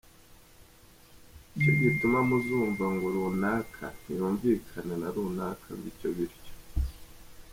Nicyo gituma muzumva ngo runaka nti yumvikana na runaka bityo bityo.